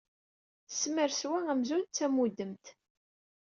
Semres wa amzun d tamudemt!